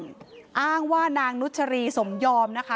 นายพิทักษ์อ้างว่านางนุชรีสมยอมนะคะ